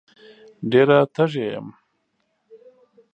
ډېره تږې یم